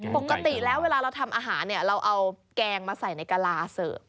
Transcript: ปกติแล้วเวลาเราทำอาหารเนี่ยเราเอาแกงมาใส่ในกะลาเสิร์ฟ